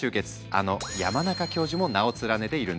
あの山中教授も名を連ねているんです。